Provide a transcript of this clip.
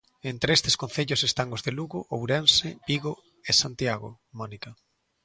Entre estes concellos están os de Lugo, Ourense, Vigo e Santiago, Mónica.